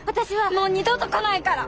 もう二度と来ないから！